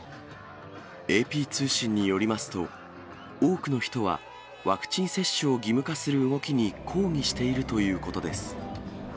ＡＰ通信によりますと、多くの人はワクチン接種を義務化する動きに抗議しているということです。